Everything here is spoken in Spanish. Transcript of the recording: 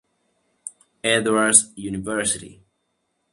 Edward’s University.